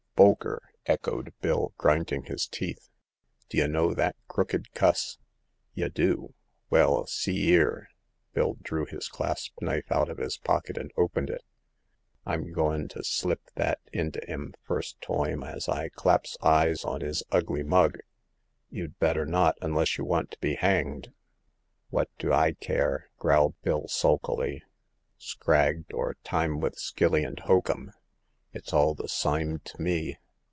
" Bolker !" echoed Bill, grinding his teeth :" d' y' know that crooked cuss ? Y' do ! Well, see 'ere !"— Bill drew his clasp knife out of his pocket and opened it —" Fm goin' to slip that int' 'im fust toime as I claps eyes on 'is ugly mug !" "You'd better not, unless you want to be hanged." Wot d' I care?" growled Bill, sulkily; " scragged, or time with skilly an' hoakum. It's all th' saime t' me."